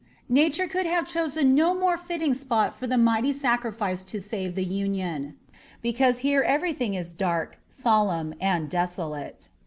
Nature could have chosen no more fitting spot for the mighty sacrifice to save the Union, because here everything is dark, solemn and desolate.